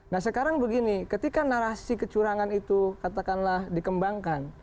nah sekarang begini ketika narasi kecurangan itu katakanlah dikembangkan